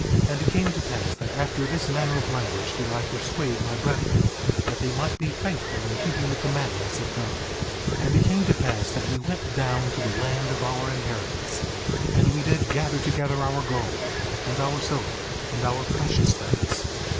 3:21 And it came to pass that after this manner of language did I persuade my brethren, that they might be faithful in keeping the commandments of God. 3:22 And it came to pass that we went down to the land of our inheritance, and we did gather together our gold, and our silver, and our precious things.